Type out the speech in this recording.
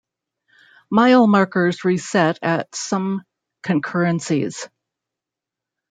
Mile markers reset at some concurrencies.